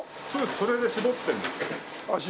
それで絞ってるんです。